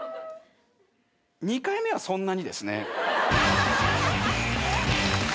２回目はそんなにですね。